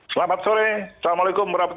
selamat sore assalamualaikum wr